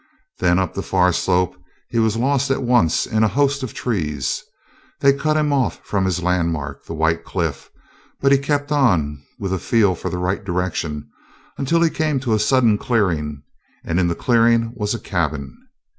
Then up the far slope he was lost at once in a host of trees. They cut him off from his landmark, the white cliff, but he kept on with a feel for the right direction, until he came to a sudden clearing, and in the clearing was a cabin.